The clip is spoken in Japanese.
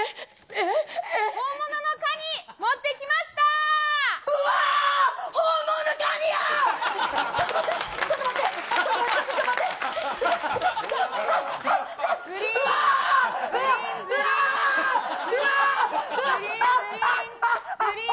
本物のカニ、持ってきましたうわー！